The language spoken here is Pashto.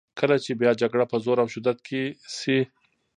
کله چې بیا جګړه په زور او شدت کې شي.